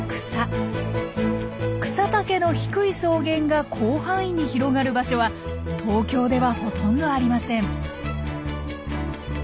草丈の低い草原が広範囲に広がる場所は東京ではほとんどありません。